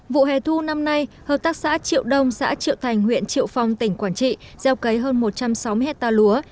vụ hè thu năm nay hợp tác xã triệu đông xã triệu thành huyện triệu phong tỉnh quảng trị gieo cấy hơn một trăm sáu mươi hectare lúa